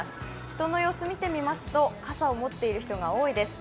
人の様子を見てみますと傘を持っている人が多いです。